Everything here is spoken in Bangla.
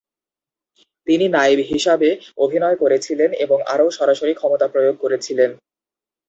তিনি নায়েব হিসাবে অভিনয় করেছিলেন এবং আরও সরাসরি ক্ষমতা প্রয়োগ করেছিলেন।